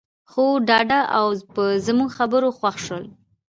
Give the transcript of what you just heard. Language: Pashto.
خو ډاډه او په زموږ خبرو خوښ شول.